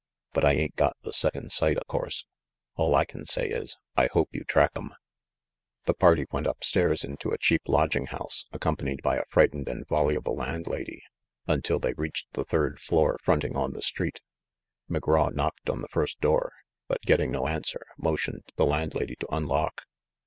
But I ain't got the second sight, o' course. All I can say is, I hope you track 'em." The party went up stairs into a cheap lodging house, accompanied by a frightened and voluble landlady, un til they reached the third floor fronting on the street. McGraw knocked on the first door; but, getting no answer, motioned the landlady to unlock.